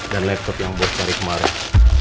dan laptop yang buat cari kemarin